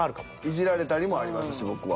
イジられたりもありますし僕は。